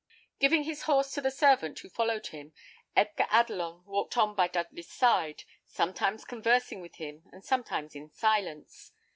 Giving his horse to the servant who followed him, Edgar Adelon walked on by Dudley's side, sometimes conversing with him and sometimes in silence.